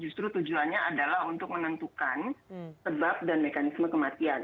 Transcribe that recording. justru tujuannya adalah untuk menentukan sebab dan mekanisme kematian